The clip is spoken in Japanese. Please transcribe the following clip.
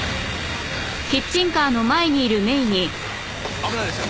危ないですよ